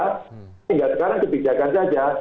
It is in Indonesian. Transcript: sehingga sekarang kebijakan saja